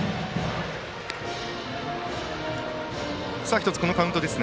１つ、このカウントです。